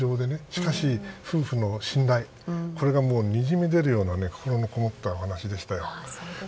しかし夫婦の信頼これがにじみ出るような心のこもったお話でした。